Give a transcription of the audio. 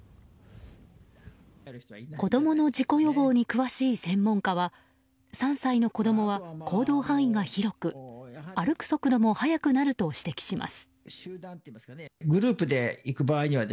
子供の事故予防に詳しい専門家は３歳の子供は行動範囲が広く歩く速度も速くなると指摘します。